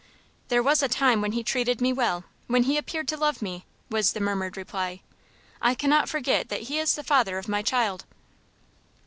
"There was a time when he treated me well, when he appeared to love me," was the murmured reply. "I cannot forget that he is the father of my child."